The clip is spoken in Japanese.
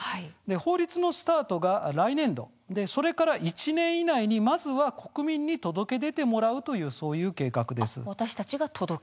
法律のスタートが来年度それから１年以内にまずは国民に届け出てもらうという計画です。